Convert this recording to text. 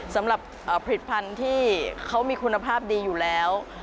สำหรับผลิตภัณฑ์ที่เขามีคุณภาพดีอยู่แล้ว